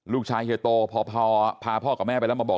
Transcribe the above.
เฮียโตพอพาพ่อกับแม่ไปแล้วมาบอก